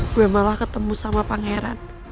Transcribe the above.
gue malah ketemu sama pangeran